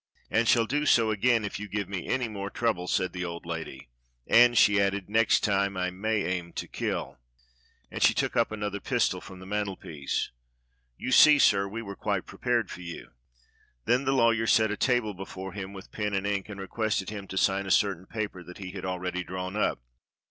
"And shall do so again if you give me any more trou ble," said the old lady, "and," she added, "next time I may aim to kill," and she took up another pistol from the mantelpiece. "You see, sir, we were quite prepared for you." Then the lawyer set a table before him with pen and ink and requested him to sign a certain paper that he had already drawn up.